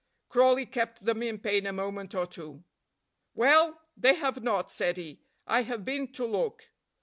Crawley kept them in pain a moment or two. "Well, they have not," said he, "I have been to look."